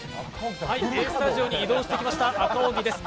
Ａスタジオに移動してきました赤荻です。